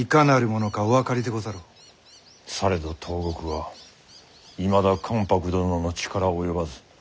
されど東国はいまだ関白殿の力及ばず。